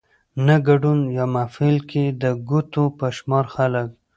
نه ګدون يا محفل کې د ګوتو په شمار خلک